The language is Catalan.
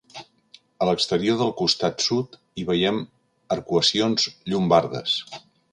A l'exterior del costat sud hi veiem arcuacions llombardes.